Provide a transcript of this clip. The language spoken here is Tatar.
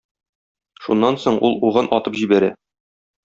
Шуннан соң ул угын атып җибәрә.